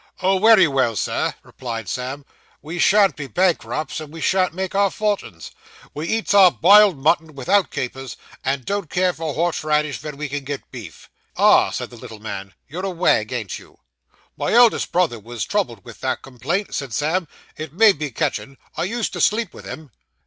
'Oh, wery well, Sir,' replied Sam, 'we shan't be bankrupts, and we shan't make our fort'ns. We eats our biled mutton without capers, and don't care for horse radish ven ve can get beef.' 'Ah,' said the little man, 'you're a wag, ain't you?' 'My eldest brother was troubled with that complaint,' said Sam; 'it may be catching I used to sleep with him.